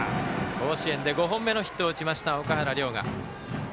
甲子園で５本目のヒットを打ちました、岳原陵河。